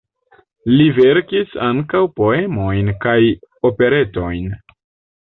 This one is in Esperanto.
Li verkis ankaŭ poemojn kaj operetojn.